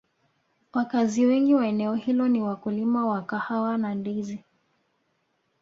wakazi wengi wa eneo hilo ni wakulima wa kahawa na ndizi